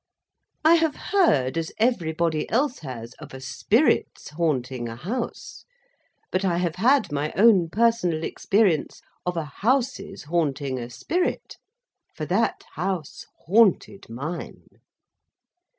I have heard, as everybody else has, of a spirit's haunting a house; but I have had my own personal experience of a house's haunting a spirit; for that House haunted mine.